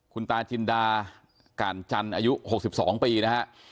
คุณตาจินดาก่านจันทร์อายุ๖๒ปีนะฮะ